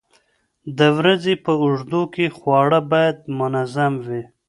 د ورځې په اوږدو کې خواړه باید منظم وي.